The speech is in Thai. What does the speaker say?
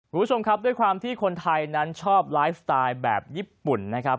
คุณผู้ชมครับด้วยความที่คนไทยนั้นชอบไลฟ์สไตล์แบบญี่ปุ่นนะครับ